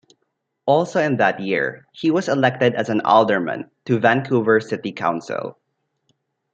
Also in that year, he was elected as an alderman to Vancouver City Council.